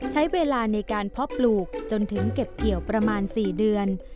ใช้เวลาในการเพาะปลูกจนถึงเก็บเกี่ยวประมาณ๔เดือน